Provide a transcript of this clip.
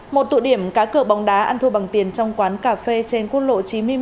một tụ điểm cá cửa bóng đá ăn thu bằng tiền trong quán cà phê trên quân lộ chín mươi một